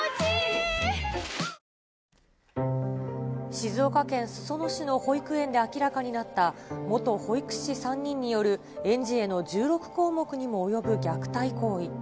静岡県裾野市の保育園で明らかになった、元保育士３人による園児への１６項目にも及ぶ虐待行為。